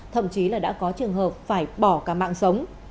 thậm chí là đã có trường hợp phải bỏ cả mạng sống